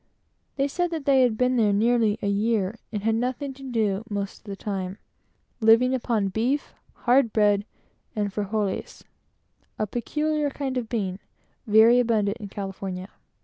They said that they had been there nearly a year; had nothing to do most of the time, living upon beef, hard bread, and frijoles (a peculiar kind of bean very abundant in California).